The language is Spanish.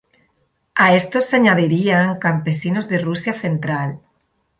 A estos se añadirían campesinos de Rusia central.